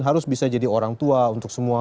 harus bisa jadi orang tua untuk semua